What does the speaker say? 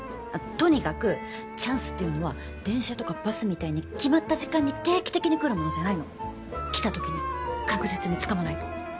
とにかくチャンスっていうのは電車とかバスみたいに決まった時間に定期的に来るものじゃないの。来た時に確実に掴まないと。